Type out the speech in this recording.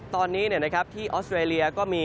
ตอนนี้นะครับที่ออสเตอร์เรียก็มี